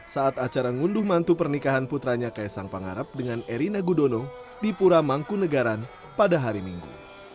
saat acara ngunduh mantu pernikahan putranya kaisang pangarap dengan eri nagudono di pura mangkunagaran pada hari minggu